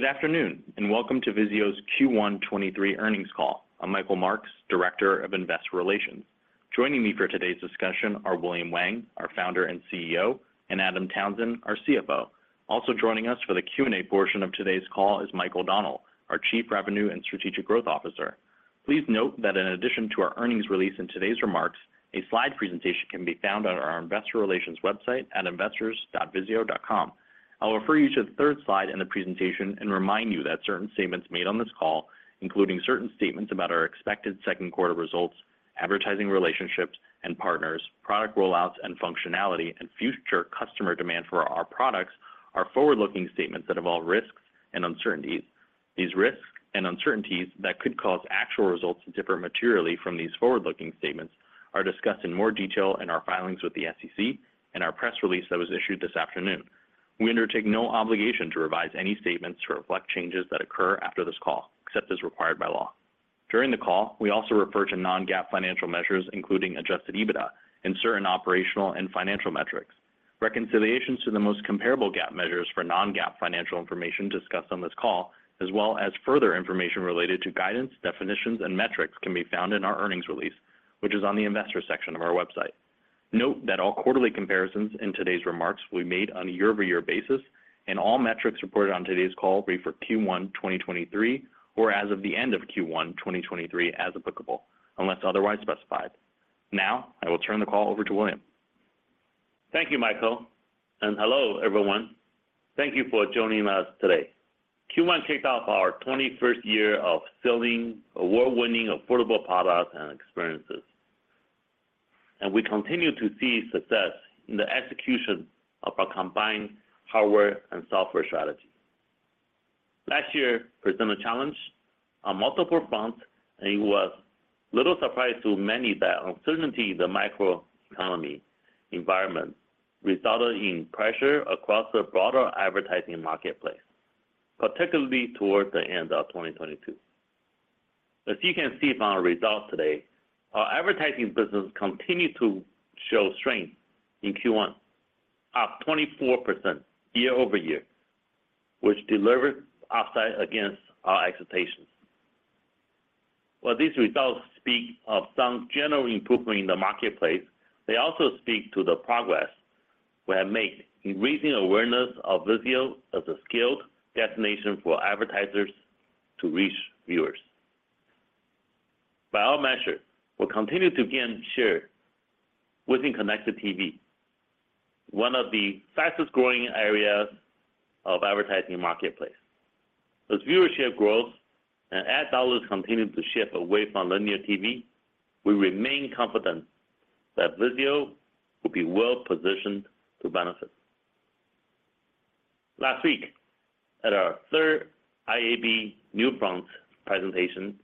Good afternoon, welcome to VIZIO's Q1 2023 earnings call. I'm Michael Marks, Director of Investor Relations. Joining me for today's discussion are William Wang, our Founder and CEO, and Adam Townsend, our CFO. Also joining us for the Q&A portion of today's call is Michael O'Donnell, our Chief Revenue and Strategic Growth Officer. Please note that in addition to our earnings release and today's remarks, a slide presentation can be found on our investor relations website at investors.vizio.com. I'll refer you to the third slide in the presentation and remind that certain statements made on this call, including certain statements about our expected Q2 results, advertising relationships and partners, product rollouts and functionality, and future customer demand for our products are forward-looking statements that involve risks and uncertainties. These risks and uncertainties that could cause actual results to differ materially from these forward-looking statements are discussed in more detail in our filings with the SEC and our press release that was issued this afternoon. We undertake no obligation to revise any statements to reflect changes that occur after this call, except as required by law. During the call, we also refer to non-GAAP financial measures, including adjusted EBITDA and certain operational and financial metrics. Reconciliations to the most comparable GAAP measures for non-GAAP financial information discussed on this call, as well as further information related to guidance, definitions, and metrics, can be found in our earnings release, which is on the investor section of our website. Note that all quarterly comparisons in today's remarks will be made on a year-over-year basis, and all metrics reported on today's call will be for Q1 2023 or as of the end of Q1 2023 as applicable, unless otherwise specified. I will turn the call over to William. Thank you, Michael. Hello, everyone. Thank you for joining us today. Q1 kicked off our 21st year of selling award-winning affordable products and experiences, and we continue to see success in the execution of our combined hardware and software strategy. Last year presented a challenge on multiple fronts, and it was little surprise to many that uncertainty in the macroeconomy environment resulted in pressure across the broader advertising marketplace, particularly towards the end of 2022. As you can see from our results today, our advertising business continued to show strength in Q1, up 24% year-over-year, which delivered upside against our expectations. While these results speak of some general improvement in the marketplace, they also speak to the progress we have made in raising awareness of VIZIO as a skilled destination for advertisers to reach viewers. By all measures, we continue to gain share within connected TV, one of the fastest-growing areas of advertising marketplace. As viewership grows and ad dollars continue to shift away from linear TV, we remain confident that VIZIO will be well-positioned to benefit. Last week, at our third IAB NewFront presentation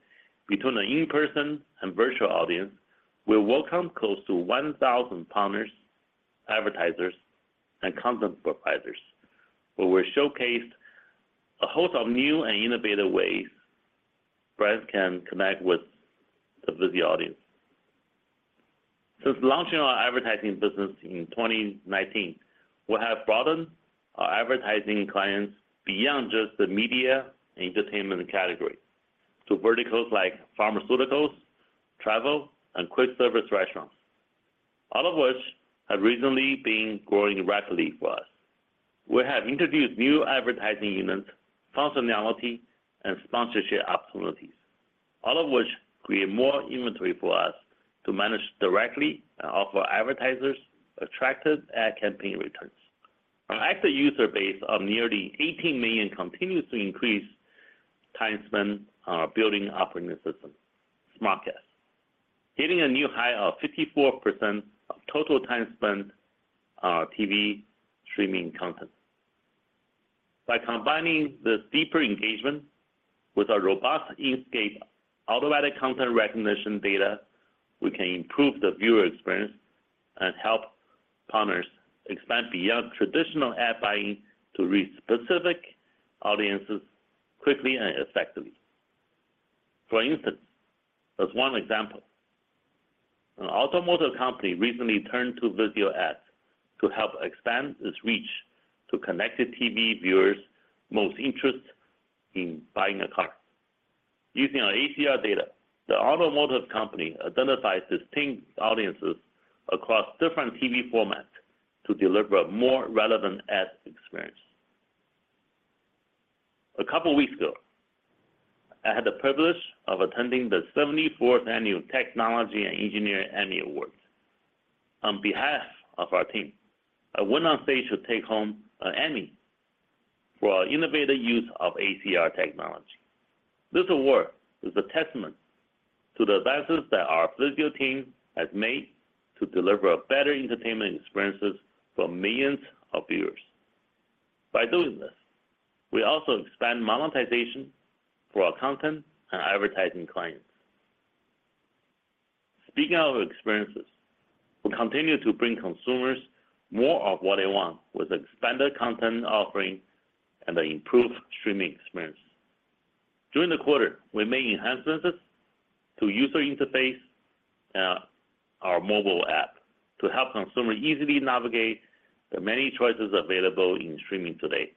between an in-person and virtual audience, we welcomed close to 1,000 partners, advertisers, and content providers, where we showcased a host of new and innovative ways brands can connect with the VIZIO audience. Since launching our advertising business in 2019, we have broadened our advertising clients beyond just the media and entertainment category to verticals like pharmaceuticals, travel, and quick service restaurants, all of which have recently been growing rapidly for us. We have introduced new advertising units, functionality, and sponsorship opportunities, all of which create more inventory for us to manage directly and offer advertisers attractive ad campaign returns. Our active user base of nearly 18 million continues to increase time spent on our building operating system, SmartCast, hitting a new high of 54% of total time spent on our TV streaming content. By combining this deeper engagement with our robust Inscape automatic content recognition data, we can improve the viewer experience and help partners expand beyond traditional ad buying to reach specific audiences quickly and effectively. For instance, as one example, an automotive company recently turned to VIZIO Ads to help expand its reach to connected TV viewers most interested in buying a car. Using our ACR data, the automotive company identified distinct audiences across different TV formats to deliver a more relevant ad experience. A couple weeks ago, I had the privilege of attending the 74th Annual Technology & Engineering Emmy Awards. On behalf of our team, I went on stage to take home an Emmy for our innovative use of ACR technology. This award is a testament to the advances that our VIZIO team has made to deliver better entertainment experiences for millions of viewers. By doing this, we also expand monetization for our content and advertising clients. Speaking of experiences, we continue to bring consumers more of what they want with expanded content offering and an improved streaming experience. During the quarter, we made enhancements to user interface, our mobile app to help consumers easily navigate the many choices available in streaming today.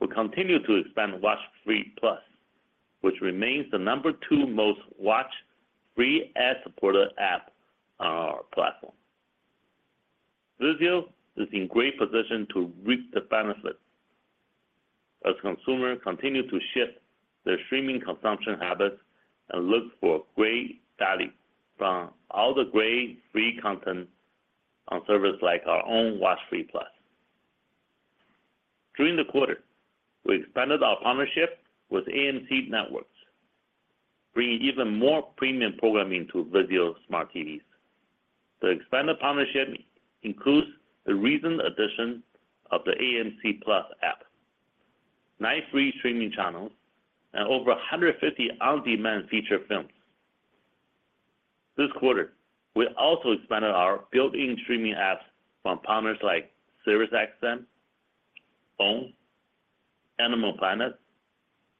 We continue to expand WatchFree+, which remains the number two most watched free ad-supported app on our platform. VIZIO is in great position to reap the benefits as consumers continue to shift their streaming consumption habits and look for great value from all the great free content on services like our own WatchFree+. During the quarter, we expanded our partnership with AMC Networks, bringing even more premium programming to VIZIO smart TVs. The expanded partnership includes the recent addition of the AMC+ app, nine free streaming channels, and over 150 on-demand feature films. This quarter, we also expanded our built-in streaming apps from partners like SiriusXM, OWN, Animal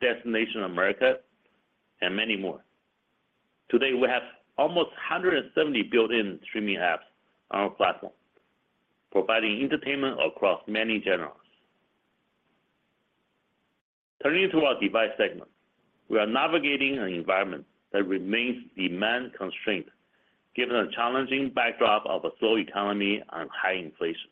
Planet, Destination America, and many more. Today, we have almost 170 built-in streaming apps on our platform, providing entertainment across many genres. Turning to our device segment, we are navigating an environment that remains demand-constrained given the challenging backdrop of a slow economy and high inflation.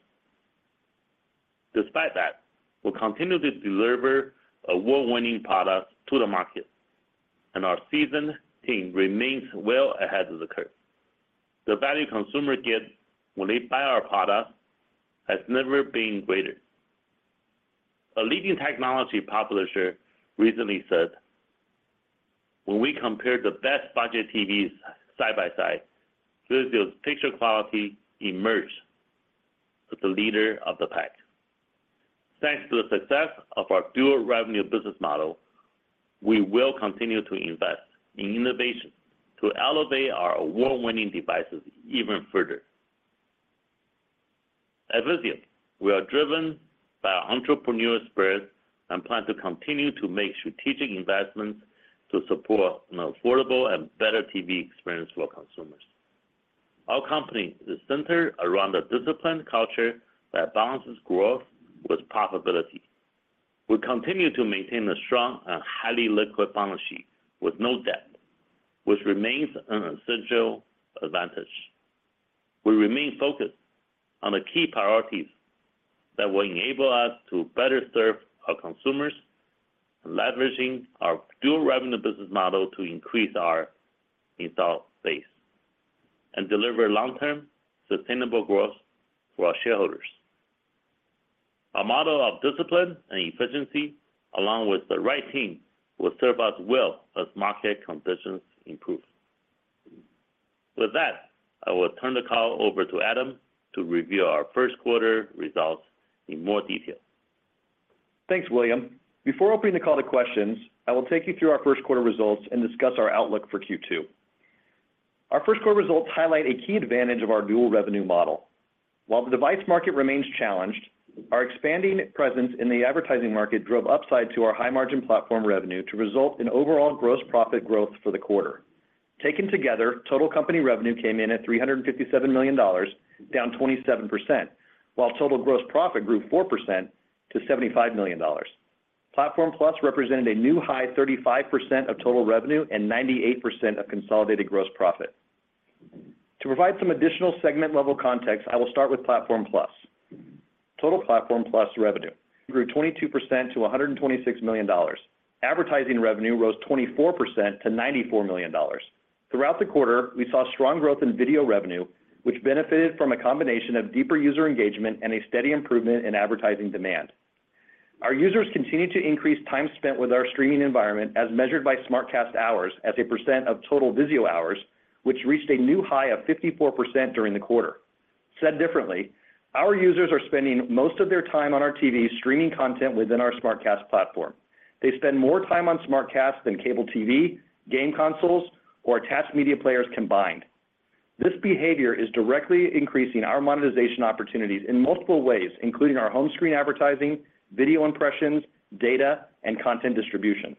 Despite that, we continue to deliver award-winning products to the market, and our seasoned team remains well ahead of the curve. The value consumer gets when they buy our product has never been greater. A leading technology publisher recently said, "When we compared the best budget TVs side by side, VIZIO's picture quality emerged as the leader of the pack." Thanks to the success of our dual revenue business model, we will continue to invest in innovation to elevate our award-winning devices even further. At VIZIO, we are driven by our entrepreneurial spirit and plan to continue to make strategic investments to support an affordable and better TV experience for consumers. Our company is centered around a disciplined culture that balances growth with profitability. We continue to maintain a strong and highly liquid balance sheet with no debt, which remains an essential advantage. We remain focused on the key priorities that will enable us to better serve our consumers, leveraging our dual revenue business model to increase our install base and deliver long-term sustainable growth for our shareholders. Our model of discipline and efficiency, along with the right team, will serve us well as market conditions improve. With that, I will turn the call over to Adam to review our Q1 results in more detail. Thanks, William. Before opening the call to questions, I will take you through our Q1 results and discuss our outlook for Q2. Our Q1 results highlight a key advantage of our dual revenue model. While the device market remains challenged, our expanding presence in the advertising market drove upside to our high-margin platform revenue to result in overall gross profit growth for the quarter. Taken together, total company revenue came in at $357 million, down 27%, while total gross profit grew 4% to $75 million. Platform+ represented a new high 35% of total revenue and 98% of consolidated gross profit. To provide some additional segment-level context, I will start with Platform+. Total Platform+ revenue grew 22% to $126 million. Advertising revenue rose 24% to $94 million. Throughout the quarter, we saw strong growth in video revenue, which benefited from a combination of deeper user engagement and a steady improvement in advertising demand. Our users continued to increase time spent with our streaming environment as measured by SmartCast hours as a percent of total VIZIO hours, which reached a new high of 54% during the quarter. Said differently, our users are spending most of their time on our TVs streaming content within our SmartCast platform. They spend more time on SmartCast than cable TV, game consoles, or attached media players combined. This behavior is directly increasing our monetization opportunities in multiple ways, including our home screen advertising, video impressions, data, and content distribution.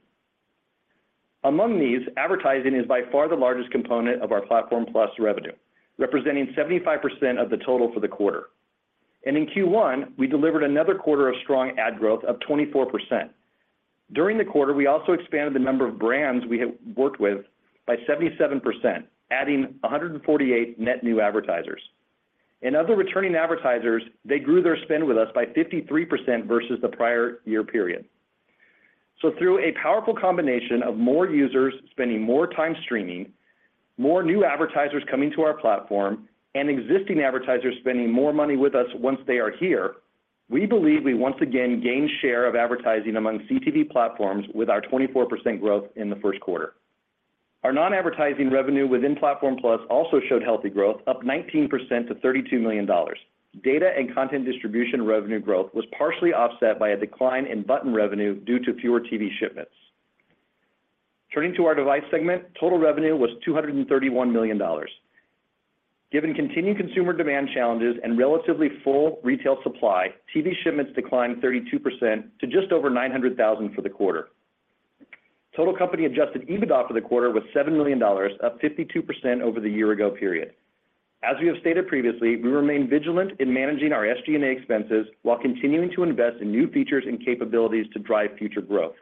Among these, advertising is by far the largest component of our Platform+ revenue, representing 75% of the total for the quarter. In Q1, we delivered another quarter of strong ad growth of 24%. During the quarter, we also expanded the number of brands we have worked with by 77%, adding 148 net new advertisers. Other returning advertisers, they grew their spend with us by 53% versus the prior year period. Through a powerful combination of more users spending more time streaming, more new advertisers coming to our platform, and existing advertisers spending more money with us once they are here, we believe we once again gained share of advertising among CTV platforms with our 24% growth in the Q1. Our non-advertising revenue within Platform+ also showed healthy growth, up 19% to $32 million. Data and content distribution revenue growth was partially offset by a decline in button revenue due to fewer TV shipments. Turning to our device segment, total revenue was $231 million. Given continued consumer demand challenges and relatively full retail supply, TV shipments declined 32% to just over 900,000 for the quarter. Total company adjusted EBITDA for the quarter was $7 million, up 52% over the year-ago period. As we have stated previously, we remain vigilant in managing our SG&A expenses while continuing to invest in new features and capabilities to drive future growth.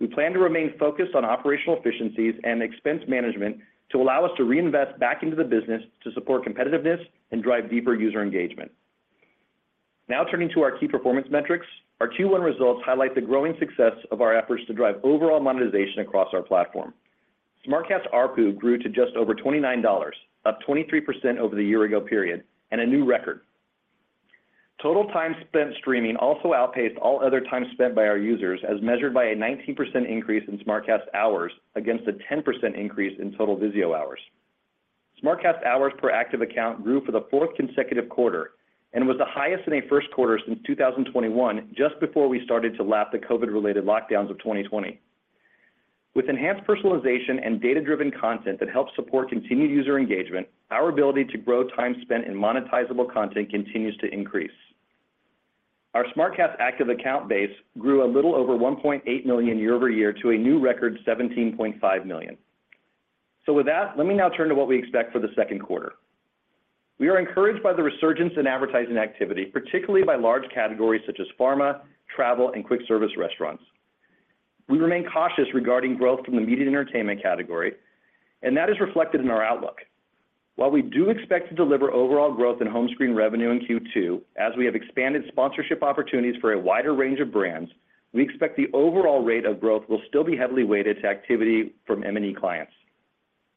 We plan to remain focused on operational efficiencies and expense management to allow us to reinvest back into the business to support competitiveness and drive deeper user engagement. Turning to our key performance metrics. Our Q1 results highlight the growing success of our efforts to drive overall monetization across our platform. SmartCast ARPU grew to just over $29, up 23% over the year-ago period, and a new record. Total time spent streaming also outpaced all other time spent by our users as measured by a 19% increase in SmartCast hours against a 10% increase in total VIZIO hours. SmartCast hours per active account grew for the fourth consecutive quarter and was the highest in a Q1 since 2021, just before we started to lap the COVID-related lockdowns of 2020. With enhanced personalization and data-driven content that helps support continued user engagement, our ability to grow time spent in monetizable content continues to increase. Our SmartCast active account base grew a little over 1.8 million year-over-year to a new record 17.5 million. With that, let me now turn to what we expect for the Q2. We are encouraged by the resurgence in advertising activity, particularly by large categories such as pharma, travel, and quick service restaurants. We remain cautious regarding growth from the media and entertainment category, and that is reflected in our outlook. While we do expect to deliver overall growth in home screen revenue in Q2, as we have expanded sponsorship opportunities for a wider range of brands, we expect the overall rate of growth will still be heavily weighted to activity from M&E clients.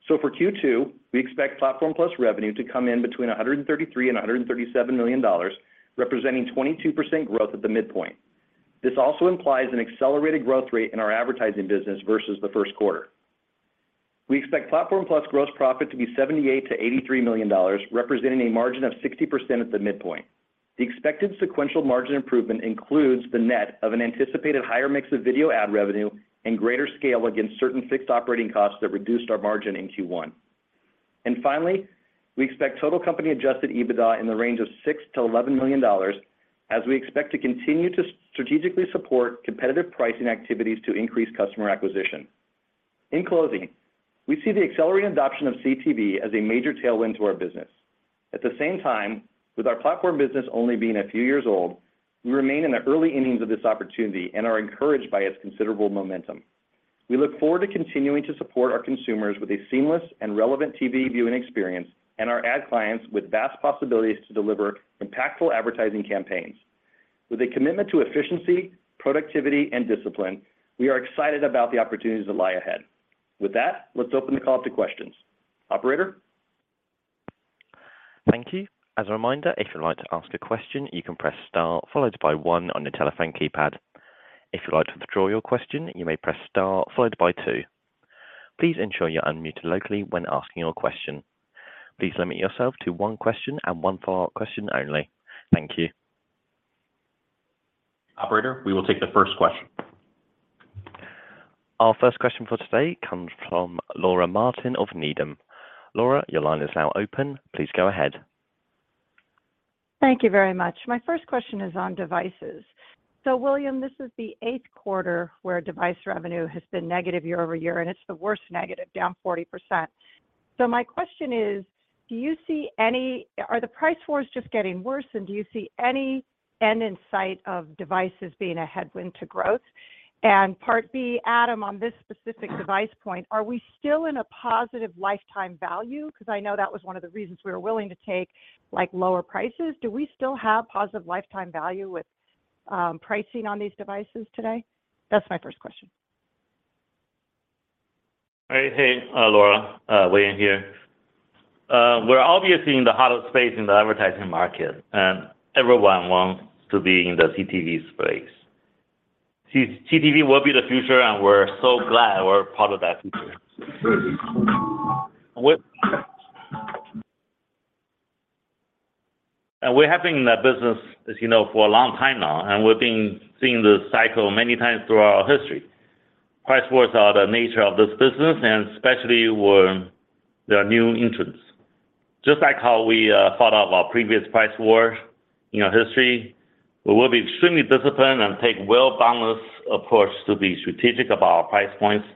For Q2, we expect Platform+ revenue to come in between $133 million and $137 million, representing 22% growth at the midpoint. This also implies an accelerated growth rate in our advertising business versus the Q1. We expect Platform+ gross profit to be $78 million-$83 million, representing a margin of 60% at the midpoint. The expected sequential margin improvement includes the net of an anticipated higher mix of video ad revenue and greater scale against certain fixed operating costs that reduced our margin in Q1. Finally, we expect total company adjusted EBITDA in the range of $6 million-$11 million as we expect to continue to strategically support competitive pricing activities to increase customer acquisition. In closing, we see the accelerated adoption of CTV as a major tailwind to our business. At the same time, with our platform business only being a few years old, we remain in the early innings of this opportunity and are encouraged by its considerable momentum. We look forward to continuing to support our consumers with a seamless and relevant TV viewing experience and our ad clients with vast possibilities to deliver impactful advertising campaigns. With a commitment to efficiency, productivity, and discipline, we are excited about the opportunities that lie ahead. With that, let's open the call up to questions. Operator? Thank you. As a reminder, if you'd like to ask a question, you can press star followed by one on the telephone keypad. If you'd like to withdraw your question, you may press star followed by 2. Please ensure you unmute locally when asking your question. Please limit yourself to one question and one follow-up question only. Thank you. Operator, we will take the first question. Our first question for today comes from Laura Martin of Needham. Laura, your line is now open. Please go ahead. Thank you very much. My first question is on devices. William, this is the eighth quarter where device revenue has been negative year-over-year, and it's the worst negative, down 40%. My question is, are the price wars just getting worse? Do you see any end in sight of devices being a headwind to growth? Part B, Adam, on this specific device point, are we still in a positive lifetime value? Because I know that was one of the reasons we were willing to take, like, lower prices. Do we still have positive lifetime value with pricing on these devices today? That's my first question. Hey, hey, Laura, William here. We're obviously in the hottest space in the advertising market, and everyone wants to be in the CTV space. CTV will be the future, and we're so glad we're part of that future. We have been in that business, as you know, for a long time now, and we've been seeing this cycle many times throughout our history. Price wars are the nature of this business, and especially when there are new entrants. Just like how we thought of our previous price war in our history, we will be extremely disciplined and take well-balanced approach to be strategic about our price points,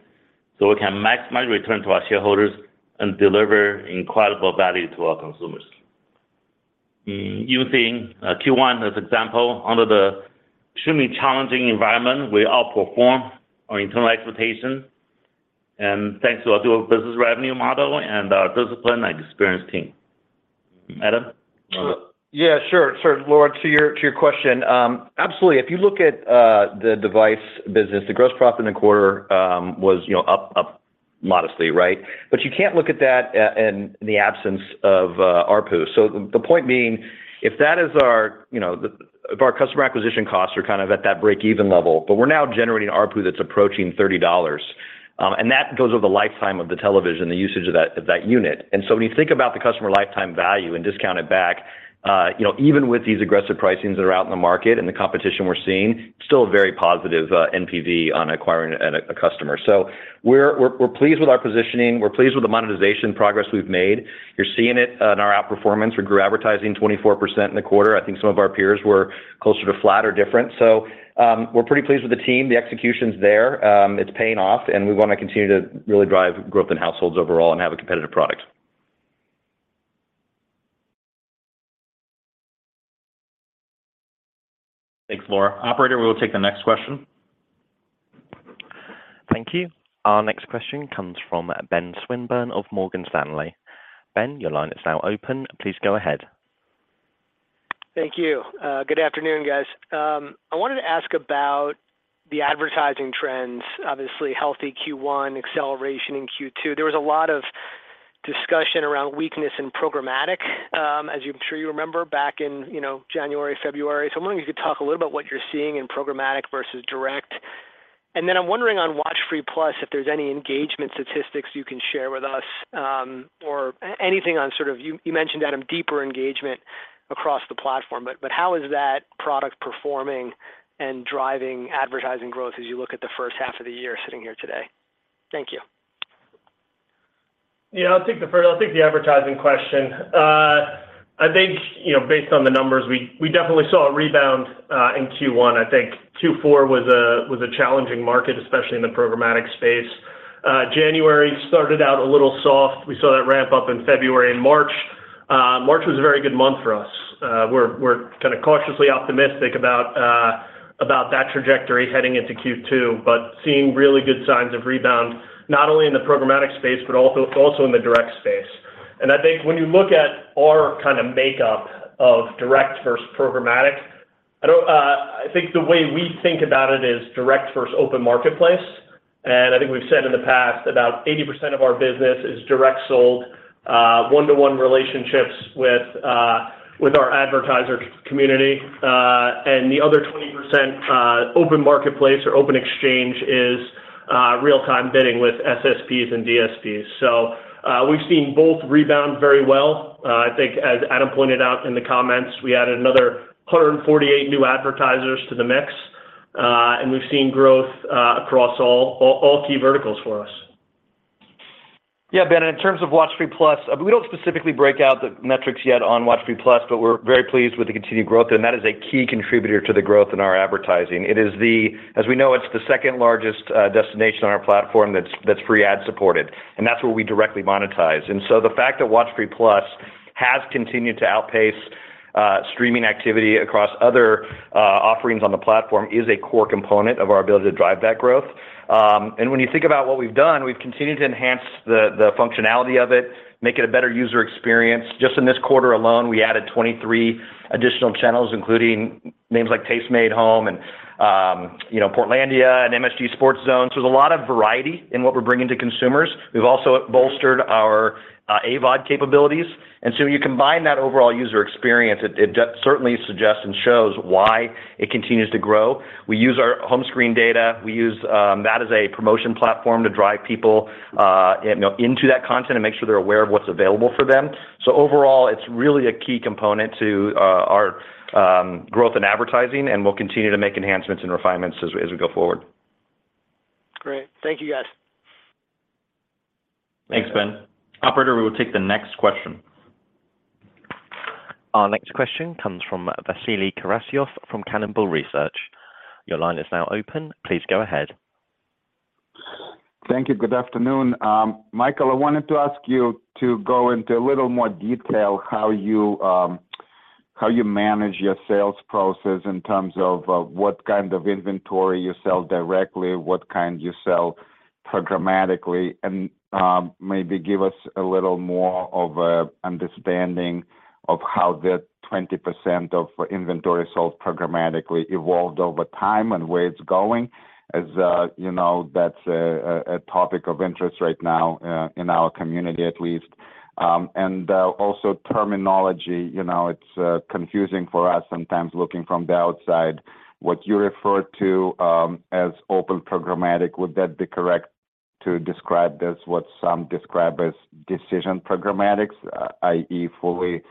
so we can maximize return to our shareholders and deliver incredible value to our consumers. Using Q1 as example, under the extremely challenging environment, we outperformed our internal expectations. Thanks to our dual business revenue model and our disciplined and experienced team. Adam? Yeah, sure. Sure. Laura, to your question, absolutely. If you look at the device business, the gross profit in the quarter was, you know, up modestly, right? You can't look at that in the absence of ARPU. The point being, if that is our, you know, if our customer acquisition costs are kind of at that break-even level, but we're now generating ARPU that's approaching $30, and that goes over the lifetime of the television, the usage of that unit. When you think about the customer lifetime value and discount it back, you know, even with these aggressive pricings that are out in the market and the competition we're seeing, still a very positive NPV on acquiring a customer. We're pleased with our positioning. We're pleased with the monetization progress we've made. You're seeing it in our outperformance. We grew advertising 24% in the quarter. I think some of our peers were closer to flat or different. We're pretty pleased with the team. The execution's there, it's paying off, and we wanna continue to really drive growth in households overall and have a competitive product. Thanks, Laura. Operator, we will take the next question. Thank you. Our next question comes from Ben Swinburne of Morgan Stanley. Ben, your line is now open. Please go ahead. Thank you. Good afternoon, guys. I wanted to ask about the advertising trends. Obviously, healthy Q1, acceleration in Q2. There was a lot of discussion around weakness in programmatic, as I'm sure you remember back in, you know, January, February. I'm wondering if you could talk a little about what you're seeing in programmatic versus direct. I'm wondering on WatchFree+, if there's any engagement statistics you can share with us, or anything on sort of... You mentioned, Adam, deeper engagement across the platform, but how is that product performing and driving advertising growth as you look at the H1 of the year sitting here today? Thank you. Yeah, I'll take the first. I'll take the advertising question. I think, you know, based on the numbers, we definitely saw a rebound in Q1. I think Q4 was a challenging market, especially in the programmatic space. January started out a little soft. We saw that ramp up in February and March. March was a very good month for us. We're kinda cautiously optimistic about that trajectory heading into Q2, but seeing really good signs of rebound, not only in the programmatic space, but also in the direct space. I think when you look at our kind of makeup of direct versus programmatic, I don't. I think the way we think about it is direct versus open marketplace. I think we've said in the past, about 80% of our business is direct sold, one-to-one relationships with our advertiser community. The other 20%, open marketplace or open exchange is, real-time bidding with SSPs and DSPs. We've seen both rebound very well. I think as Adam pointed out in the comments, we added another 148 new advertisers to the mix, and we've seen growth, across all key verticals for us. Yeah, Ben, in terms of WatchFree+, we don't specifically break out the metrics yet on WatchFree+, but we're very pleased with the continued growth, and that is a key contributor to the growth in our advertising. It is, as we know, it's the second-largest destination on our platform that's free ad-supported, and that's where we directly monetize. The fact that WatchFree+ has continued to outpace streaming activity across other offerings on the platform is a core component of our ability to drive that growth. When you think about what we've done, we've continued to enhance the functionality of it, make it a better user experience. Just in this quarter alone, we added 23 additional channels, including names like Tastemade Home and, you know, Portlandia and MSG Sports Zone. There's a lot of variety in what we're bringing to consumers. We've also bolstered our AVOD capabilities. You combine that overall user experience, it certainly suggests and shows why it continues to grow. We use our home screen data. We use that as a promotion platform to drive people, you know, into that content and make sure they're aware of what's available for them. Overall, it's really a key component to our growth in advertising, and we'll continue to make enhancements and refinements as we go forward. Great. Thank you, guys. Thanks, Ben. Operator, we will take the next question. Our next question comes from Vasily Karasyov from Cannonball Research. Your line is now open. Please go ahead. Thank you. Good afternoon. Michael, I wanted to ask you to go into a little more detail how you manage your sales process in terms of what kind of inventory you sell directly, what kind you sell programmatically, and maybe give us a little more of an understanding of how that 20% of inventory sold programmatically evolved over time and where it's going. You know, that's a topic of interest right now in our community at least. Also terminology. You know, it's confusing for us sometimes looking from the outside. What you refer to as open programmatic, would that be correct to describe this what some describe as precision programmatic, i.e., fully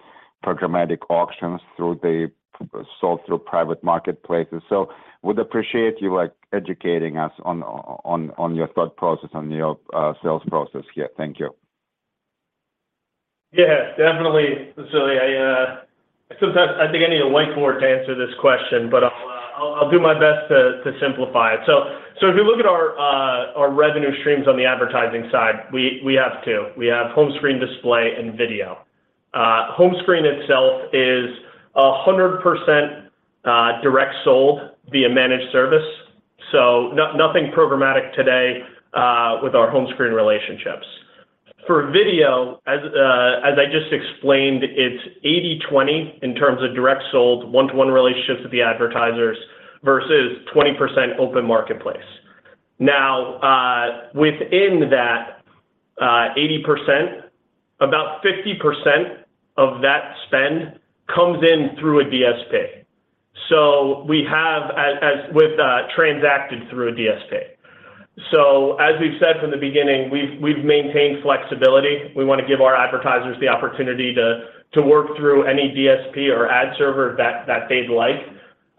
programmatic auctions sold through private marketplaces. Would appreciate you, like, educating us on your thought process, on your sales process here. Thank you. Yeah, definitely, Vasily. I sometimes I think I need a whiteboard to answer this question, but I'll do my best to simplify it. If you look at our revenue streams on the advertising side, we have 2. We have home screen display and video. Home screen itself is 100% direct sold via managed service, so nothing programmatic today with our home screen relationships. For video, as I just explained, it's 80-20 in terms of direct sold, one-to-one relationships with the advertisers versus 20% open marketplace. Now, within that 80%. About 50% of that spend comes in through a DSP. We have as with transacted through a DSP. As we've said from the beginning, we've maintained flexibility. We wanna give our advertisers the opportunity to work through any DSP or ad server that they'd like.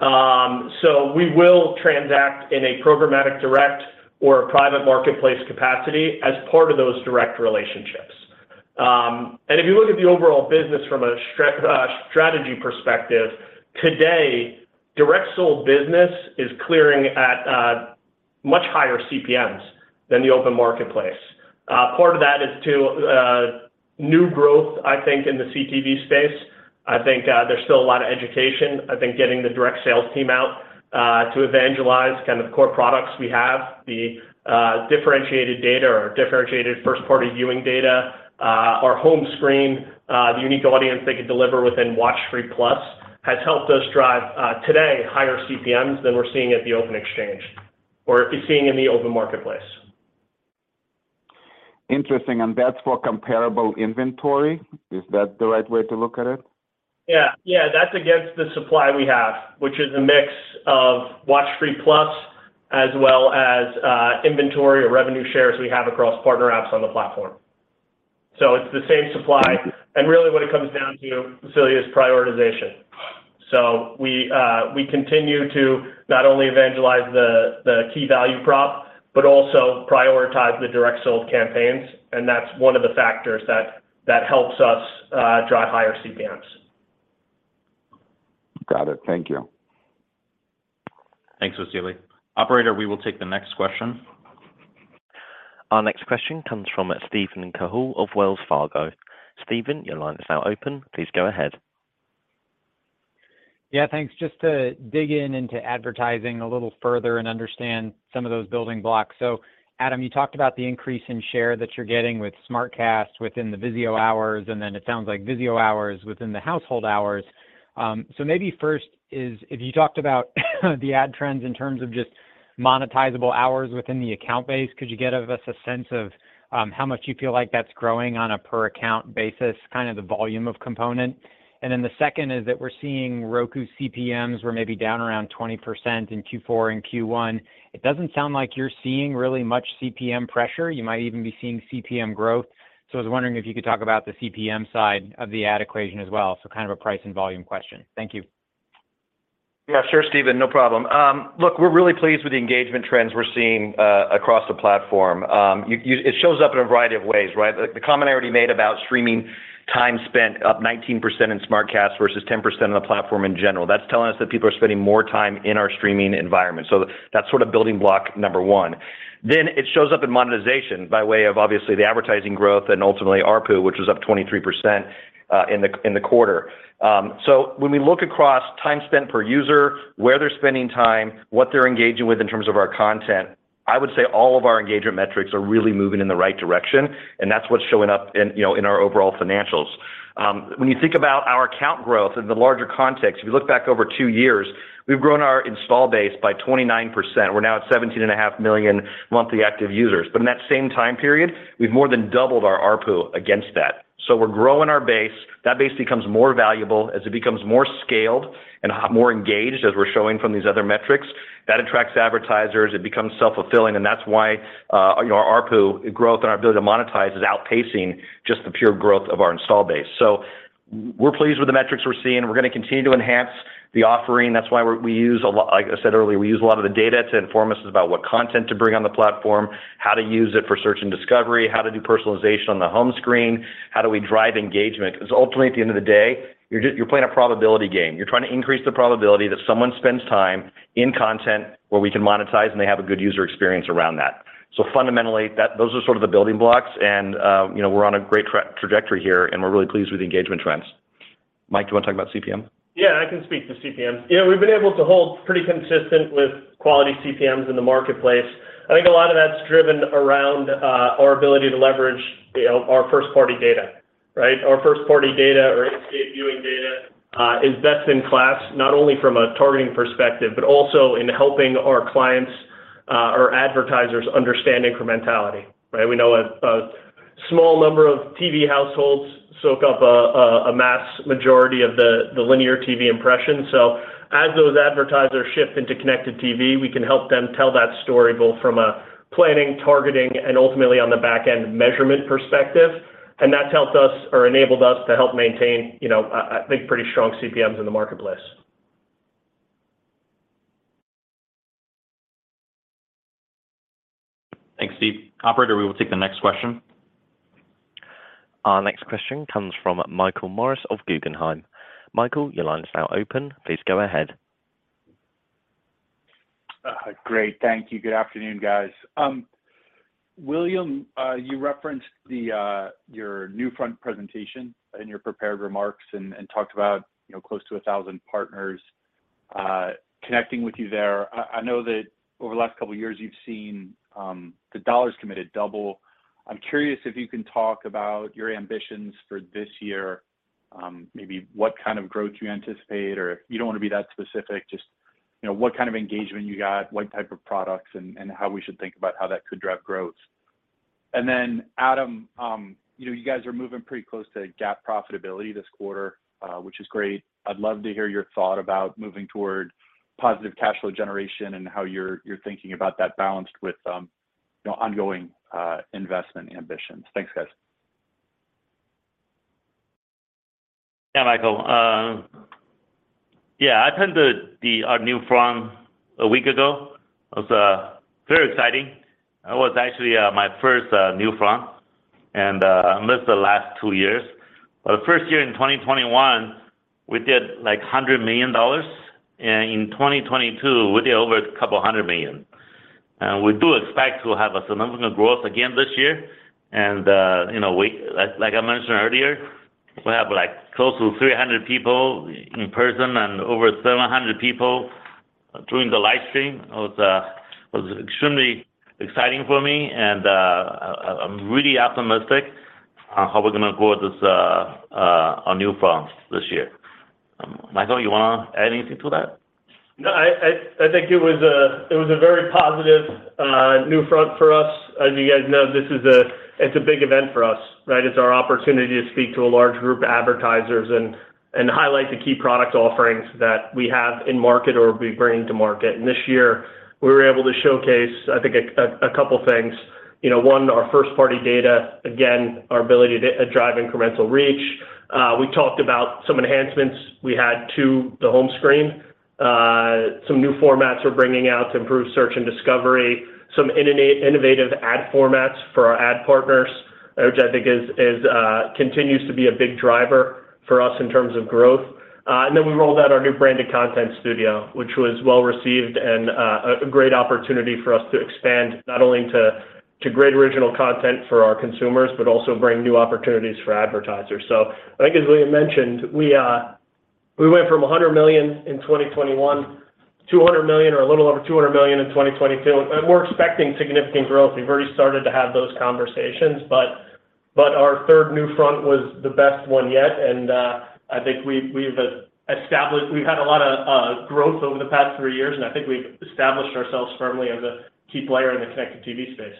We will transact in a programmatic direct or a private marketplace capacity as part of those direct relationships. If you look at the overall business from a strategy perspective, today, direct sold business is clearing at much higher CPMs than the open marketplace. Part of that is to new growth, I think, in the CTV space. I think, there's still a lot of education. I think getting the direct sales team out to evangelize kind of core products we have, the differentiated data or differentiated first-party viewing data, our home screen, the unique audience they could deliver within WatchFree+ has helped us drive today, higher CPMs than we're seeing at the open exchange or seeing in the open marketplace. Interesting. That's for comparable inventory? Is that the right way to look at it? Yeah. Yeah, that's against the supply we have, which is a mix of WatchFree+ as well as inventory or revenue shares we have across partner apps on the platform. It's the same supply. Really what it comes down to, Vasily, is prioritization. We continue to not only evangelize the key value prop, but also prioritize the direct sold campaigns, and that's one of the factors that helps us drive higher CPMs. Got it. Thank you. Thanks, Vasily. Operator, we will take the next question. Our next question comes from Steven Cahall of Wells Fargo. Stephen, your line is now open. Please go ahead. Thanks. Just to dig in into advertising a little further and understand some of those building blocks. Adam, you talked about the increase in share that you're getting with SmartCast within the VIZIO hours, and then it sounds like VIZIO hours within the household hours. So maybe first is if you talked about the ad trends in terms of just monetizable hours within the account base, could you give us a sense of how much you feel like that's growing on a per account basis, kind of the volume of component? The second is that we're seeing Roku CPMs were maybe down around 20% in Q4 and Q1. It doesn't sound like you're seeing really much CPM pressure. You might even be seeing CPM growth. I was wondering if you could talk about the CPM side of the ad equation as well. Kind of a price and volume question. Thank you. Yeah, sure, Steven. No problem. Look, we're really pleased with the engagement trends we're seeing across the platform. It shows up in a variety of ways, right? The comment I already made about streaming time spent up 19% in SmartCast versus 10% on the platform in general. That's telling us that people are spending more time in our streaming environment. That's sort of building block number one. It shows up in monetization by way of obviously the advertising growth and ultimately ARPU, which was up 23% in the quarter. When we look across time spent per user, where they're spending time, what they're engaging with in terms of our content, I would say all of our engagement metrics are really moving in the right direction, and that's what's showing up in, you know, in our overall financials. When you think about our account growth in the larger context, if you look back over two years, we've grown our install base by 29%. We're now at 17.5 million monthly active users. In that same time period, we've more than doubled our ARPU against that. We're growing our base. That base becomes more valuable as it becomes more scaled and a lot more engaged, as we're showing from these other metrics. That attracts advertisers. It becomes self-fulfilling, that's why, you know, our ARPU growth and our ability to monetize is outpacing just the pure growth of our install base. We're pleased with the metrics we're seeing. We're gonna continue to enhance the offering. That's why, like I said earlier, we use a lot of the data to inform us about what content to bring on the platform, how to use it for search and discovery, how to do personalization on the home screen, how do we drive engagement. Ultimately, at the end of the day, you're playing a probability game. You're trying to increase the probability that someone spends time in content where we can monetize, and they have a good user experience around that. Fundamentally, those are sort of the building blocks and, you know, we're on a great trajectory here, and we're really pleased with the engagement trends. Mike, do you wanna talk about CPM? I can speak to CPM. Yeah, we've been able to hold pretty consistent with quality CPMs in the marketplace. I think a lot of that's driven around our ability to leverage, you know, our first-party data, right? Our first-party data or ACR viewing data is best in class, not only from a targeting perspective, but also in helping our clients or advertisers understand incrementality, right? We know a small number of TV households soak up a mass majority of the linear TV impressions. As those advertisers shift into connected TV, we can help them tell that story, both from a planning, targeting, and ultimately on the back end, measurement perspective. That's helped us or enabled us to help maintain, you know, I think, pretty strong CPMs in the marketplace. Thanks, Steve. Operator, we will take the next question. Our next question comes from Michael Morris of Guggenheim. Michael, your line is now open. Please go ahead. Great. Thank you. Good afternoon, guys. William, you referenced your NewFront presentation in your prepared remarks and talked about, you know, close to 1,000 partners connecting with you there. I know that over the last couple years you've seen the dollars committed double. I'm curious if you can talk about your ambitions for this year, maybe what kind of growth you anticipate, or if you don't want to be that specific, you know, what kind of engagement you got, what type of products, and how we should think about how that could drive growth. Adam, you know, you guys are moving pretty close to GAAP profitability this quarter, which is great. I'd love to hear your thought about moving toward positive cash flow generation and how you're thinking about that balanced with, you know, ongoing investment ambitions. Thanks, guys. Yeah, Michael. Yeah, I attended the, our NewFront a week ago. It was very exciting. It was actually my first NewFront and unless the last two years. The first year in 2021, we did, like, $100 million. In 2022, we did over $200 million. We do expect to have a significant growth again this year. You know, we like I mentioned earlier, we have, like, close to 300 people in person and over 700 people during the live stream. It was extremely exciting for me and I'm really optimistic on how we're gonna grow this our NewFronts this year. Michael, you wanna add anything to that? No, I think it was a very positive NewFront for us. As you guys know, it's a big event for us, right? It's our opportunity to speak to a large group of advertisers and highlight the key product offerings that we have in market or we'll be bringing to market. This year we were able to showcase, I think a couple things. You know, one, our first party data. Again, our ability to drive incremental reach. We talked about some enhancements we had to the home screen. Some new formats we're bringing out to improve search and discovery. Some innovative ad formats for our ad partners, which I think is, continues to be a big driver for us in terms of growth. Then we rolled out our new branded content studio, which was well received and a great opportunity for us to expand not only to great original content for our consumers, but also bring new opportunities for advertisers. I think as William mentioned, we went from $100 million in 2021, $200 million or a little over $200 million in 2022, and we're expecting significant growth. We've already started to have those conversations. Our third NewFront was the best one yet. I think we've had a lot of growth over the past three years, and I think we've established ourselves firmly as a key player in the connected TV space.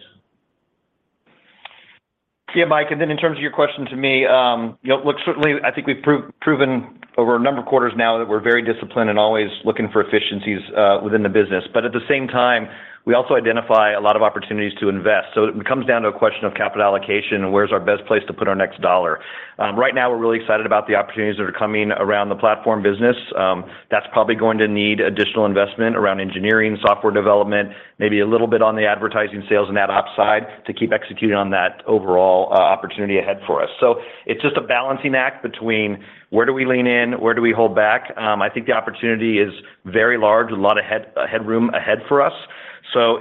Mike, in terms of your question to me, you know, look, certainly I think we've proven over a number of quarters now that we're very disciplined and always looking for efficiencies within the business. At the same time, we also identify a lot of opportunities to invest. It comes down to a question of capital allocation and where's our best place to put our next dollar. Right now we're really excited about the opportunities that are coming around the platform business. That's probably going to need additional investment around engineering, software development, maybe a little bit on the advertising sales and that op side to keep executing on that overall opportunity ahead for us. It's just a balancing act between where do we lean in, where do we hold back. I think the opportunity is very large. A lot of headroom ahead for us.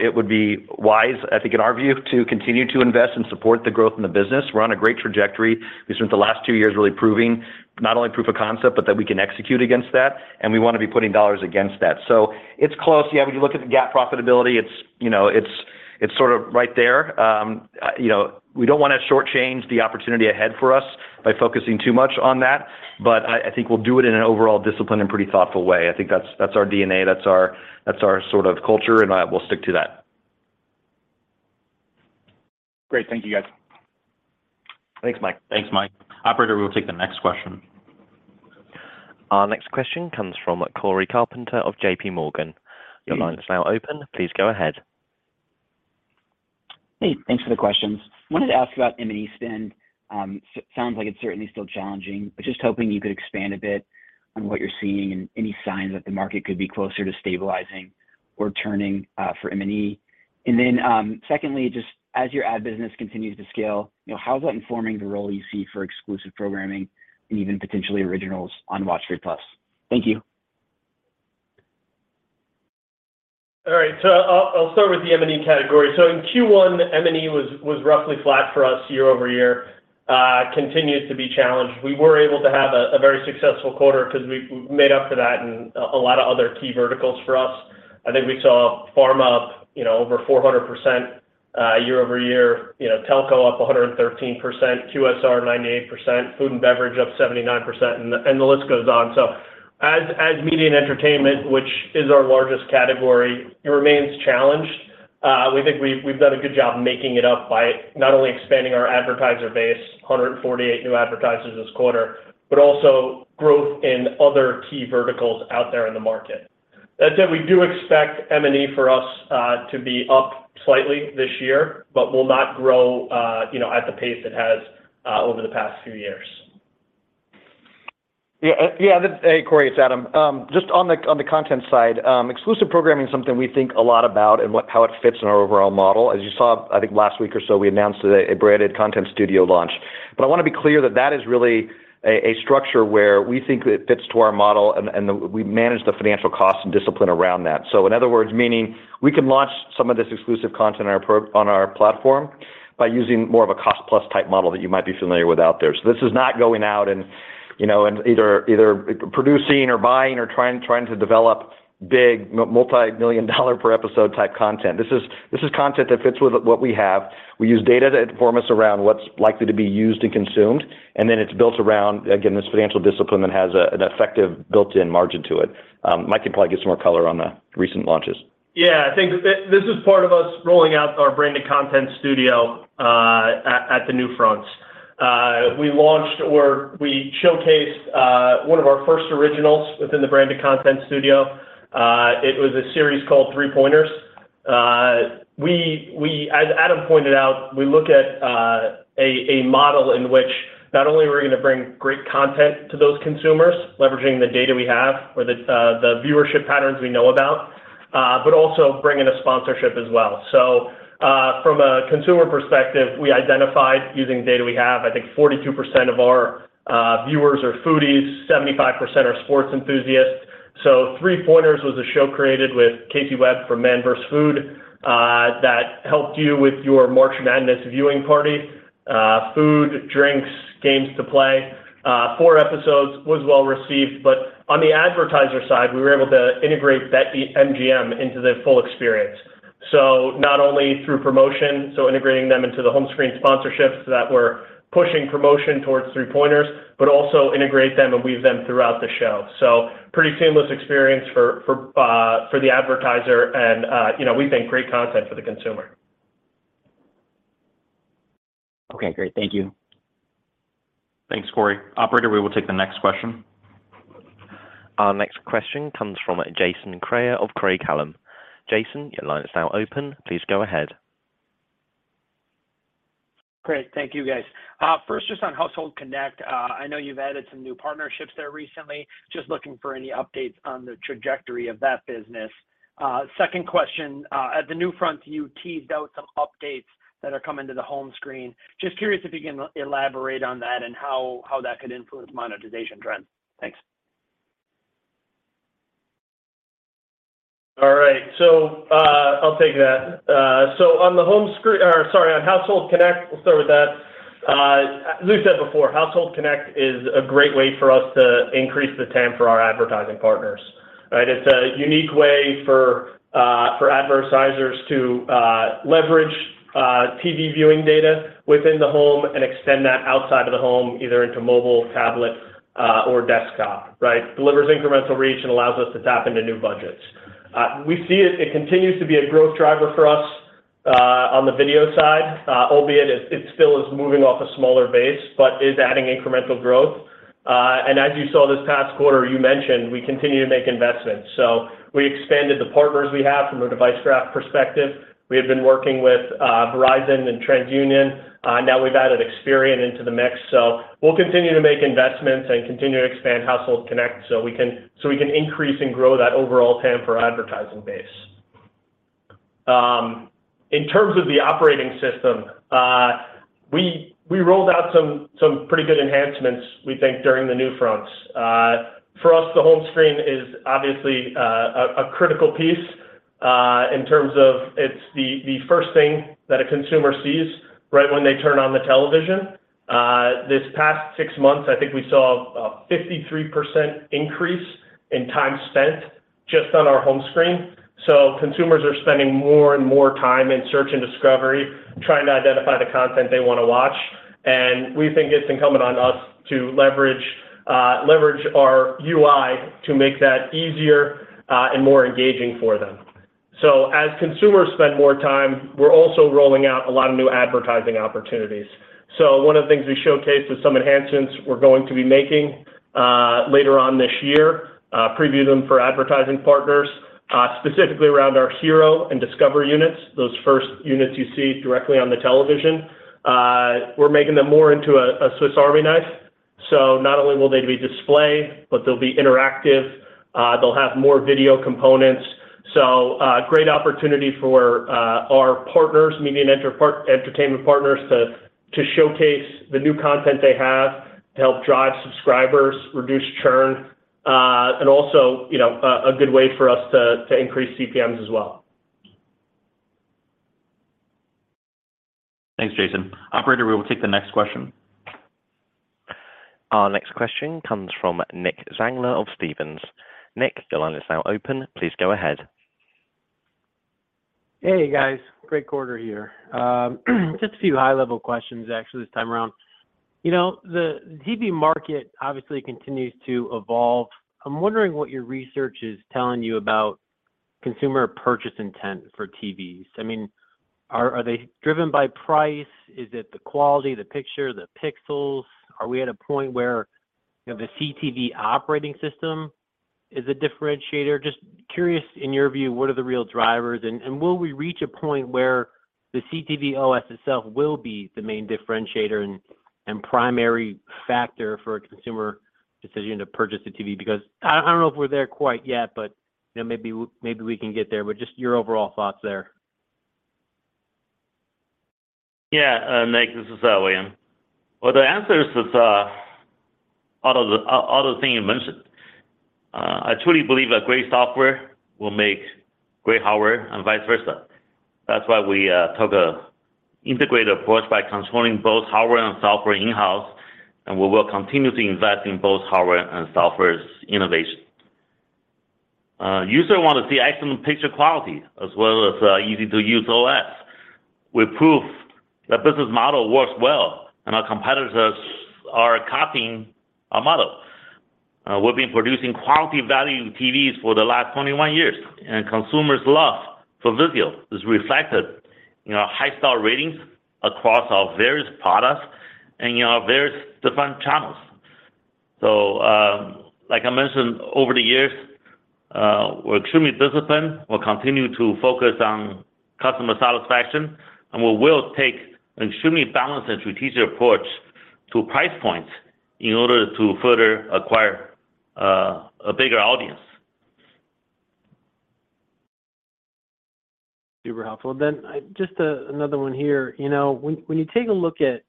It would be wise, I think, in our view, to continue to invest and support the growth in the business. We're on a great trajectory. We spent the last two years really proving not only proof of concept, but that we can execute against that, and we wanna be putting dollars against that. It's close. Yeah, when you look at the GAAP profitability, it's, you know, it's sort of right there. You know, we don't wanna shortchange the opportunity ahead for us by focusing too much on that, but I think we'll do it in an overall disciplined and pretty thoughtful way. I think that's our DNA, that's our sort of culture. We'll stick to that. Great. Thank you, guys. Thanks, Mike. Thanks, Mike. Operator, we'll take the next question. Our next question comes from Cory Carpenter of J.P. Morgan. Your line is now open. Please go ahead. Hey, thanks for the questions. Wanted to ask about M&E spend. Sounds like it's certainly still challenging, but just hoping you could expand a bit on what you're seeing and any signs that the market could be closer to stabilizing or turning for M&E. Secondly, just as your ad business continues to scale, you know, how's that informing the role you see for exclusive programming and even potentially originals on WatchFree+? Thank you. All right, I'll start with the M&E category. In Q1, M&E was roughly flat for us year-over-year. Continues to be challenged. We were able to have a very successful quarter 'cause we made up for that in a lot of other key verticals for us. I think we saw pharma up, you know, over 400% year-over-year. You know, telco up 113%, QSR 98%, food and beverage up 79%, and the list goes on. As media and entertainment, which is our largest category, it remains challenged. We think we've done a good job making it up by not only expanding our advertiser base, 148 new advertisers this quarter, but also growth in other key verticals out there in the market. That said, we do expect M&E for us, to be up slightly this year, but will not grow, you know, at the pace it has, over the past few years. Yeah, yeah. Hey, Cory, it's Adam. Just on the content side, exclusive programming is something we think a lot about and how it fits in our overall model. As you saw, I think last week or so, we announced a branded content studio launch. I wanna be clear that that is really a structure where we think it fits to our model and we manage the financial costs and discipline around that. In other words, meaning we can launch some of this exclusive content on our platform by using more of a cost plus type model that you might be familiar with out there. This is not going out and, you know, and either producing or buying or trying to develop big multi-million dollar per episode type content. This is content that fits with what we have. We use data to inform us around what's likely to be used and consumed, and then it's built around, again, this financial discipline that has a, an effective built-in margin to it. Mike can probably give some more color on the recent launches. Yeah, I think that this is part of us rolling out our branded content studio, at the NewFronts. We launched or we showcased one of our first originals within the branded content studio. It was a series called Three Pointers. As Adam pointed out, we look at a model in which not only we're gonna bring great content to those consumers, leveraging the data we have or the viewership patterns we know about, but also bring in a sponsorship as well. From a consumer perspective, we identified using data we have, I think 42% of our viewers are foodies, 75% are sports enthusiasts. Three Pointers was a show created with Casey Webb from Man v. Food, that helped you with your March Madness viewing party, food, drinks, games to play. Four episodes was well-received. On the advertiser side, we were able to integrate BetMGM into the full experience. Not only through promotion, so integrating them into the home screen sponsorships that were pushing promotion towards Three Pointers, but also integrate them and weave them throughout the show. Pretty seamless experience for the advertiser and, you know, we think great content for the consumer. Okay, great. Thank you. Thanks, Corey. Operator, we will take the next question. Our next question comes from Jason Kreyer of Craig-Hallum. Jason, your line is now open. Please go ahead. Great. Thank you, guys. First, just on Household Connect, I know you've added some new partnerships there recently. Just looking for any updates on the trajectory of that business. Second question. At the NewFront, you teased out some updates that are coming to the home screen. Just curious if you can elaborate on that and how that could influence monetization trends. Thanks. All right. I'll take that. On Household Connect, we'll start with that. As we've said before, Household Connect is a great way for us to increase the TAM for our advertising partners, right? It's a unique way for advertisers to leverage TV viewing data within the home and extend that outside of the home, either into mobile, tablet, or desktop, right? Delivers incremental reach and allows us to tap into new budgets. It continues to be a growth driver for us on the video side, albeit it still is moving off a smaller base, but is adding incremental growth. As you saw this past quarter, you mentioned, we continue to make investments. We expanded the partners we have from a device graph perspective. We have been working with Verizon and TransUnion. Now we've added Experian into the mix. We'll continue to make investments and continue to expand Household Connect so we can increase and grow that overall TAM for our advertising base. In terms of the operating system, we rolled out some pretty good enhancements, we think, during the NewFronts. For us, the home screen is obviously a critical piece in terms of it's the first thing that a consumer sees right when they turn on the television. This past six months, I think we saw a 53% increase in time spent just on our home screen. Consumers are spending more and more time in search and discovery, trying to identify the content they wanna watch. We think it's incumbent on us to leverage our UI to make that easier and more engaging for them. As consumers spend more time, we're also rolling out a lot of new advertising opportunities. One of the things we showcased is some enhancements we're going to be making later on this year, preview them for advertising partners, specifically around our hero and discovery units, those first units you see directly on the television. We're making them more into a Swiss army knife. Not only will they be display, but they'll be interactive, they'll have more video components. Great opportunity for our partners, media and entertainment partners to showcase the new content they have to help drive subscribers, reduce churn, and also, you know, a good way for us to increase CPMs as well. Thanks, Jason. Operator, we will take the next question. Our next question comes from Nicholas Zangler of Stephens. Nick, your line is now open. Please go ahead. Hey, guys, great quarter here. Just a few high-level questions actually this time around. You know, the TV market obviously continues to evolve. I'm wondering what your research is telling you about consumer purchase intent for TVs. I mean, are they driven by price? Is it the quality, the picture, the pixels? Are we at a point where, you know, the CTV operating system is a differentiator? Just curious, in your view, what are the real drivers? Will we reach a point where the CTV OS itself will be the main differentiator and primary factor for a consumer decision to purchase a TV? Because I don't know if we're there quite yet, but, you know, maybe we can get there, but just your overall thoughts there. Nick, this is William. Well, the answer is all of the things you mentioned. I truly believe that great software will make great hardware and vice versa. That's why we took an integrated approach by controlling both hardware and software in-house, and we will continue to invest in both hardware and software's innovation. User wanna see excellent picture quality as well as easy-to-use OS. We proved that business model works well, and our competitors are copying our model. We've been producing quality value TVs for the last 21 years, and consumers' love for VIZIO is reflected in our high star ratings across our various products and our various different channels. Like I mentioned, over the years, we're extremely disciplined. We'll continue to focus on customer satisfaction. We will take an extremely balanced and strategic approach to price points in order to further acquire a bigger audience. Super helpful. Just another one here. You know, when you take a look at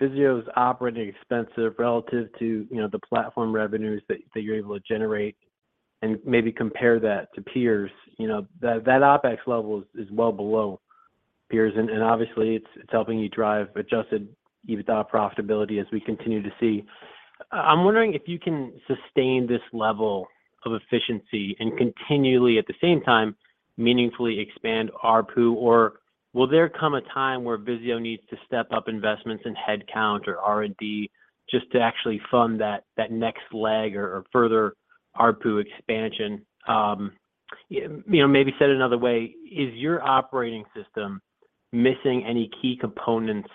VIZIO's operating expenses relative to, you know, the platform revenues that you're able to generate and maybe compare that to peers, you know, that OpEx level is well below peers. Obviously it's helping you drive adjusted EBITDA profitability as we continue to see. I'm wondering if you can sustain this level of efficiency and continually at the same time meaningfully expand ARPU, or will there come a time where VIZIO needs to step up investments in headcount or R&D just to actually fund that next leg or further ARPU expansion? You know, maybe said another way, is your operating system missing any key components,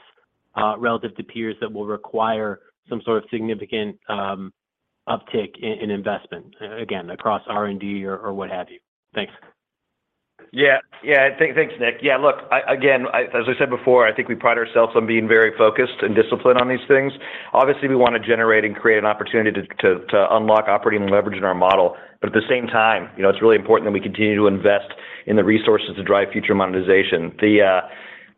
relative to peers that will require some sort of significant, uptick in investment, again, across R&D or what have you? Thanks. Yeah. Yeah. Thanks, Nick. Yeah, look, again, as I said before, I think we pride ourselves on being very focused and disciplined on these things. Obviously, we want to generate and create an opportunity to unlock operating leverage in our model. At the same time, you know, it's really important that we continue to invest in the resources to drive future monetization.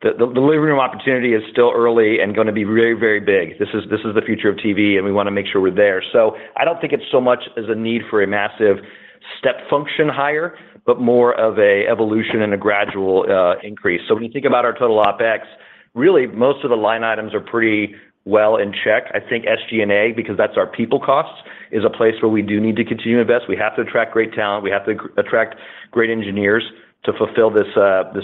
The living room opportunity is still early and gonna be very, very big. This is, this is the future of TV, and we wanna make sure we're there. I don't think it's so much as a need for a massive step function higher, but more of a evolution and a gradual increase. When you think about our total OpEx, really most of the line items are pretty well in check. I think SG&A, because that's our people cost, is a place where we do need to continue to invest. We have to attract great talent. We have to attract great engineers to fulfill this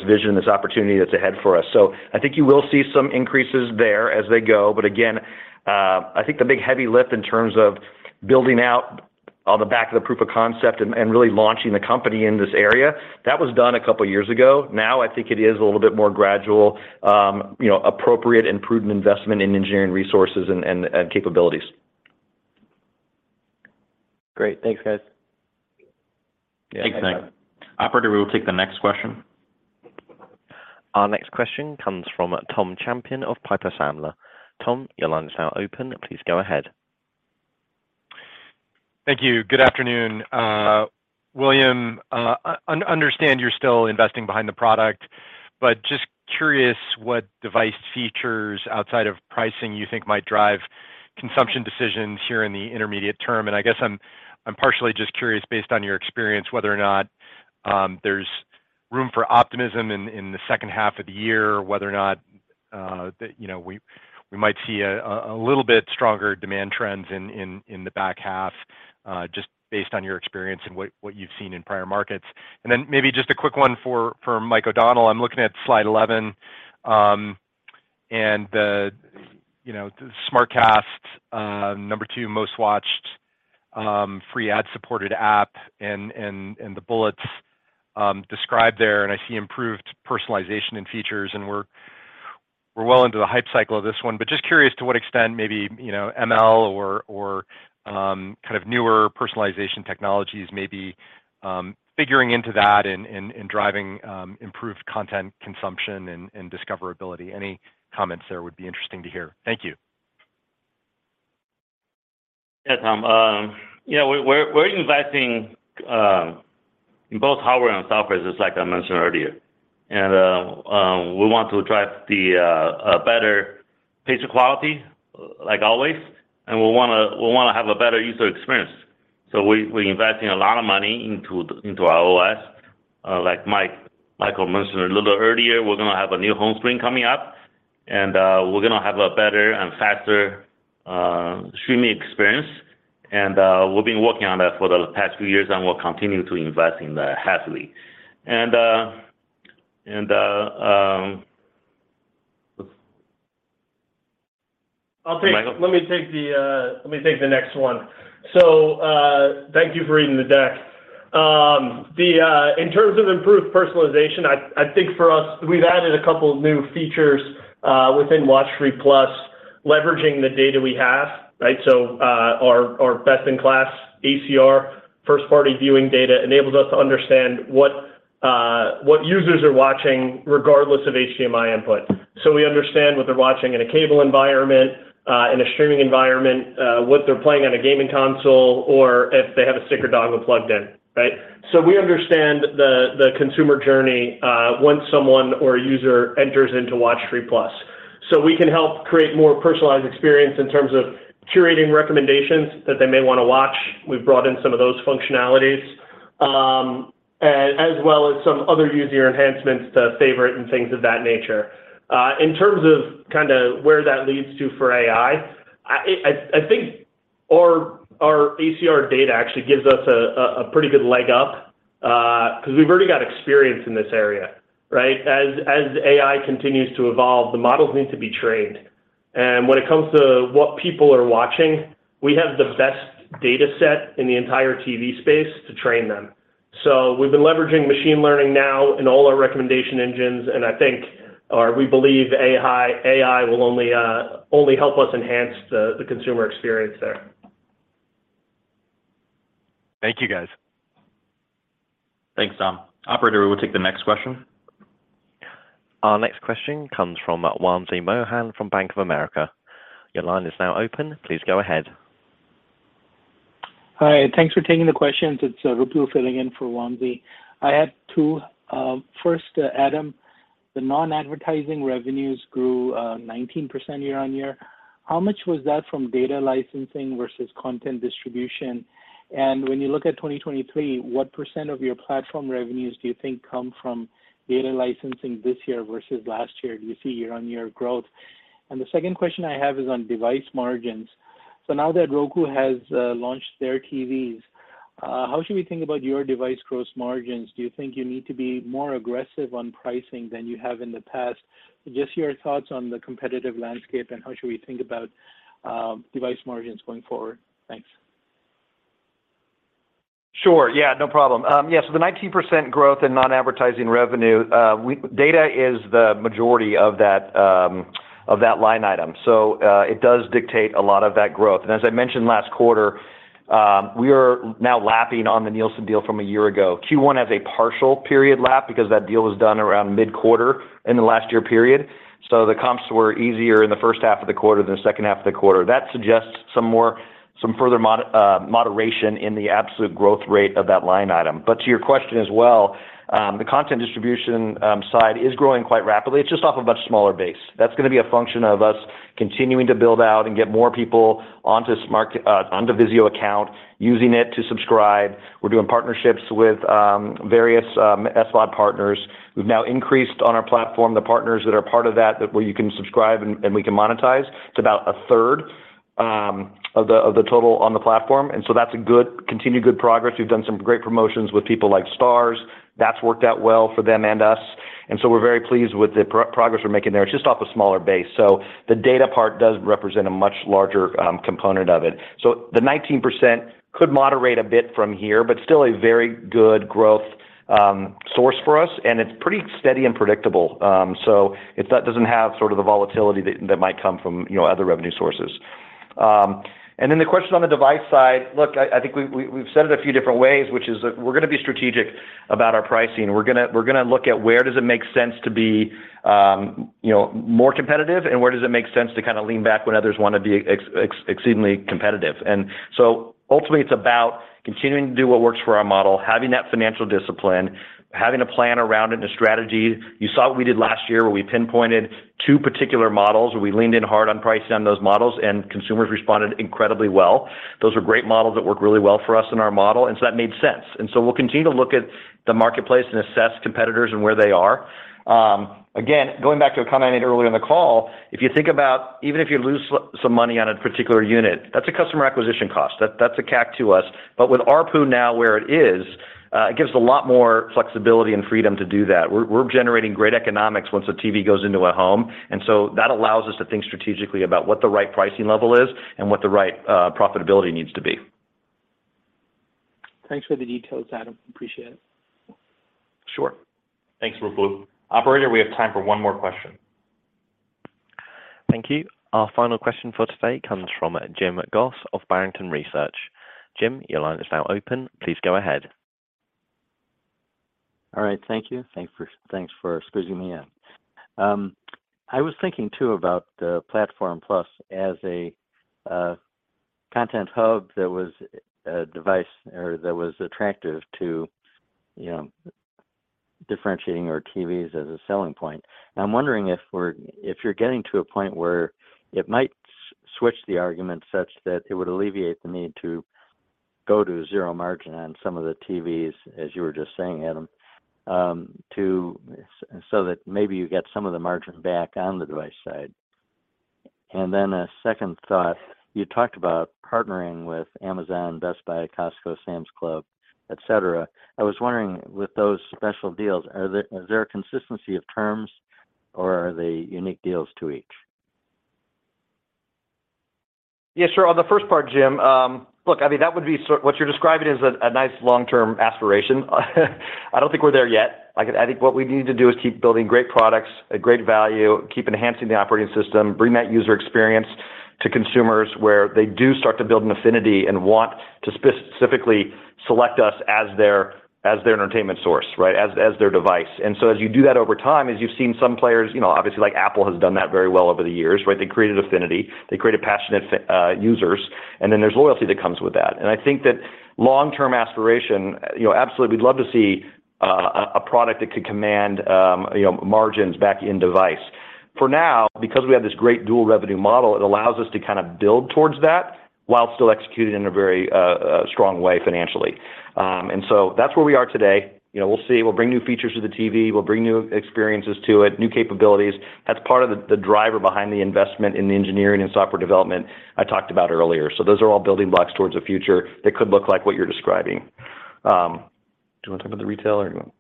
vision, this opportunity that's ahead for us. I think you will see some increases there as they go. Again, I think the big heavy lift in terms of building out on the back of the proof of concept and really launching the company in this area, that was done a couple years ago. Now, I think it is a little bit more gradual, you know, appropriate and prudent investment in engineering resources and capabilities. Great. Thanks, guys. Yeah. Thanks, Nick. Operator, we will take the next question. Our next question comes from Tom Champion of Piper Sandler. Tom, your line is now open. Please go ahead. Thank you. Good afternoon. William, understand you're still investing behind the product, but just curious what device features outside of pricing you think might drive consumption decisions here in the intermediate term. I guess I'm partially just curious, based on your experience, whether or not there's room for optimism in the H2 of the year, whether or not, you know, we might see a little bit stronger demand trends in the back half, just based on your experience and what you've seen in prior markets. Then maybe just a quick one for Michael O'Donnell. I'm looking at slide 11. The, you know, SmartCast, number two most watched, free ad-supported app and the bullets, described there. I see improved personalization and features, and we're well into the hype cycle of this one. Just curious to what extent maybe, you know, ML or kind of newer personalization technologies may be figuring into that and driving improved content consumption and discoverability. Any comments there would be interesting to hear. Thank you. Yeah, Tom. Yeah, we're investing in both hardware and software, just like I mentioned earlier. We want to drive the a better picture quality like always, and we wanna have a better user experience. So we investing a lot of money into our OS. Like Michael mentioned a little earlier, we're gonna have a new home screen coming up, and we're gonna have a better and faster streaming experience. We've been working on that for the past few years, and we'll continue to invest in that heavily. I'll take- Michael? Let me take the, let me take the next one. Thank you for reading the deck. The, in terms of improved personalization, I think for us, we've added a couple of new features within WatchFree+, leveraging the data we have, right? Our best in class ACR first-party viewing data enables us to understand what users are watching regardless of HDMI input. We understand what they're watching in a cable environment, in a streaming environment, what they're playing on a gaming console or if they have a stick or dongle plugged in, right? We understand the consumer journey once someone or a user enters into WatchFree+. We can help create more personalized experience in terms of curating recommendations that they may wanna watch. We've brought in some of those functionalities, as well as some other user enhancements to favorite and things of that nature. In terms of kinda where that leads to for AI, I think our ACR data actually gives us a pretty good leg up. 'Cause we've already got experience in this area, right? As AI continues to evolve, the models need to be trained. When it comes to what people are watching, we have the best data set in the entire TV space to train them. We've been leveraging machine learning now in all our recommendation engines, and I think or we believe AI will only help us enhance the consumer experience there. Thank you, guys. Thanks, Tom. Operator, we will take the next question. Our next question comes from Wamsi Mohan from Bank of America. Your line is now open. Please go ahead. Hi. Thanks for taking the questions. It's Ruplu filling in for Wamsi. I had two. First, Adam, the non-advertising revenues grew 19% year-over-year. How much was that from data licensing versus content distribution? When you look at 2023, what % of your Platform+ revenues do you think come from data licensing this year versus last year? Do you see year-over-year growth? The second question I have is on device margins. Now that Roku has launched their TVs, how should we think about your device gross margins? Do you think you need to be more aggressive on pricing than you have in the past? Just your thoughts on the competitive landscape and how should we think about device margins going forward? Thanks. Sure. Yeah, no problem. Yeah, the 19% growth in non-advertising revenue, data is the majority of that of that line item. It does dictate a lot of that growth. As I mentioned last quarter, we are now lapping on the Nielsen deal from a year ago. Q1 has a partial period lap because that deal was done around mid-quarter in the last year period. The comps were easier in the H1 of the quarter than the H2 of the quarter. That suggests some more, some further moderation in the absolute growth rate of that line item. To your question as well, the content distribution side is growing quite rapidly. It's just off a much smaller base. That's gonna be a function of us continuing to build out and get more people onto this market onto VIZIO account, using it to subscribe. We're doing partnerships with various SVOD partners. We've now increased on our platform the partners that are part of that, where you can subscribe and we can monetize to about a third of the total on the platform. That's continued good progress. We've done some great promotions with people like Starz. That's worked out well for them and us. We're very pleased with the progress we're making there. It's just off a smaller base. The data part does represent a much larger component of it. The 19% could moderate a bit from here, but still a very good growth source for us, and it's pretty steady and predictable. That doesn't have sort of the volatility that might come from, you know, other revenue sources. The question on the device side. Look, I think we've said it a few different ways, which is we're gonna be strategic about our pricing. We're gonna look at where does it make sense to be, you know, more competitive and where does it make sense to kinda lean back when others wanna be exceedingly competitive. Ultimately it's about continuing to do what works for our model, having that financial discipline, having a plan around it and a strategy. You saw what we did last year, where we pinpointed two particular models, where we leaned in hard on pricing on those models, and consumers responded incredibly well. Those were great models that worked really well for us in our model. That made sense. We'll continue to look at the marketplace and assess competitors and where they are. Again, going back to a comment I made earlier in the call, if you think about even if you lose some money on a particular unit, that's a customer acquisition cost. That's a CAC to us. But with ARPU now where it is, it gives a lot more flexibility and freedom to do that. We're generating great economics once a TV goes into a home. That allows us to think strategically about what the right pricing level is and what the right profitability needs to be. Thanks for the details, Adam. Appreciate it. Sure. Thanks, Ruplu. Operator, we have time for one more question. Thank you. Our final question for today comes from Jim Goss of Barrington Research. Jim, your line is now open. Please go ahead. All right. Thank you. Thanks for squeezing me in. I was thinking too about the Platform+ as a content hub that was a device or that was attractive to, you know, differentiating our TVs as a selling point. I'm wondering if you're getting to a point where it might switch the argument such that it would alleviate the need to go to 0 margin on some of the TVs, as you were just saying, Adam, so that maybe you get some of the margin back on the device side. A second thought. You talked about partnering with Amazon, Best Buy, Costco, Sam's Club, et cetera. I was wondering, with those special deals, is there a consistency of terms or are they unique deals to each? Yeah, sure. On the first part, Jim, look, I mean, that would be what you're describing is a nice long-term aspiration. I don't think we're there yet. Like, I think what we need to do is keep building great products at great value, keep enhancing the operating system, bring that user experience to consumers where they do start to build an affinity and want to specifically select us as their entertainment source, right? As their device. As you do that over time, as you've seen some players, you know, obviously like Apple has done that very well over the years, right? They created affinity, they created passionate users, and then there's loyalty that comes with that. I think that long-term aspiration, you know, absolutely we'd love to see a product that could command, you know, margins back in device. For now, because we have this great dual revenue model, it allows us to kind of build towards that while still executing in a very strong way financially. That's where we are today. You know, we'll see. We'll bring new features to the TV. We'll bring new experiences to it, new capabilities. That's part of the driver behind the investment in the engineering and software development I talked about earlier. Those are all building blocks towards a future that could look like what you're describing. Do you wanna talk about the retail or you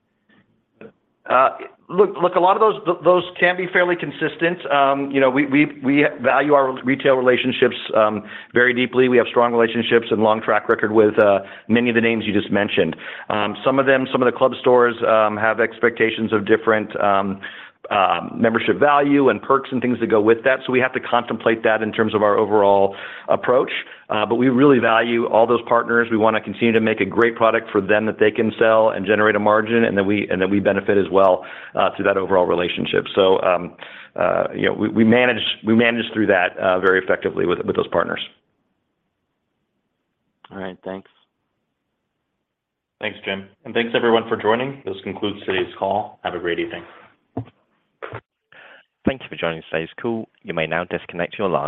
don't? Look, a lot of those can be fairly consistent. You know, we value our retail relationships very deeply. We have strong relationships and long track record with many of the names you just mentioned. Some of the club stores have expectations of different membership value and perks and things that go with that, we have to contemplate that in terms of our overall approach. We really value all those partners. We wanna continue to make a great product for them that they can sell and generate a margin, and that we benefit as well through that overall relationship. You know, we manage through that very effectively with those partners. All right. Thanks. Thanks, Jim, and thanks everyone for joining. This concludes today's call. Have a great evening. Thank you for joining today's call. You may now disconnect your line.